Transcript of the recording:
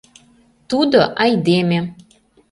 Тудо — Айдеме.